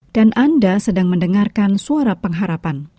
dan anda sedang mendengarkan suara pengharapan